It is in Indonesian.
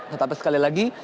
tetapi sekali lagi